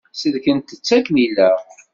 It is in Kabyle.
Sellkent-tt akken ilaq.